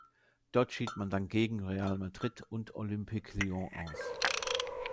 Dort schied man dann gegen Real Madrid und Olympique Lyon aus.